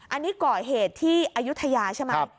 อันนี้ก่อเหตุที่อายุทยาใช่ไหม